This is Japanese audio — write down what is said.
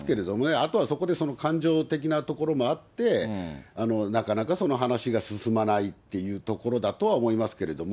あとはそこで感情的なところもあって、なかなか話が進まないっていうところだとは思いますけども。